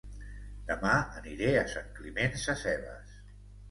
Dema aniré a Sant Climent Sescebes